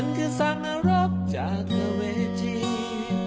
มันคือสร้างหน้ารักจากนักเวทย์มันคือสร้างนารกจากนักเวทย์